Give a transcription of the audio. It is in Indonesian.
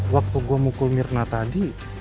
waktu gue mukul mirna tadi